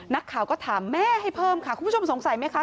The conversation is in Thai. นักข่าวก็ถามแม่ให้เพิ่มค่ะคุณผู้ชมสงสัยไหมคะ